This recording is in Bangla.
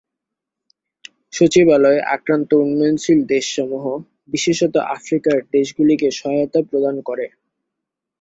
সচিবালয় আক্রান্ত উন্নয়নশীল দেশসমূহ, বিশেষত আফ্রিকার দেশগুলিকে সহায়তা প্রদান করে।